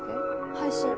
配信。